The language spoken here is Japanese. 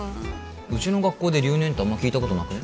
うちの学校で留年ってあんま聞いたことなくね？